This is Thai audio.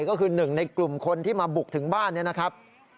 ก็คือหนึ่งในกลุ่มคนที่มาบุกถึงบ้านเนี่ยนะครับ